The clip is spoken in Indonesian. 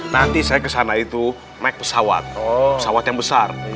nanti saya kesana itu naik pesawat pesawat yang besar